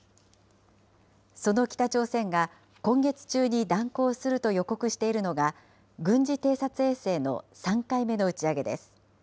その北朝鮮が、今月中に断行すると予告しているのが、軍事偵察衛星の３回目の打ち上げです。